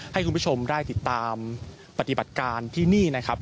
ให้คุณผู้ชมได้ติดตามปฏิบัติการที่นี่นะครับ